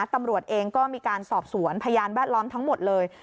ตำรวจเองก็มีการสอบสวนพยานแวดล้อมทั้งหมดเลย